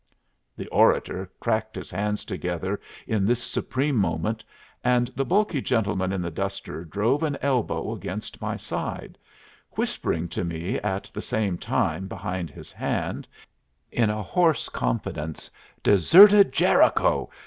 The orator cracked his hands together in this supreme moment, and the bulky gentleman in the duster drove an elbow against my side, whispering to me at the same time behind his hand, in a hoarse confidence: "Deserted Jericho!